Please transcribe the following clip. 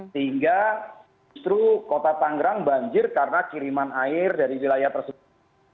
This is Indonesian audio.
sehingga justru kota tangerang banjir karena kiriman air dari wilayah tersebut